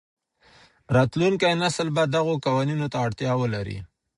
راتلونکی نسل به دغو قوانینو ته اړتیا ولري.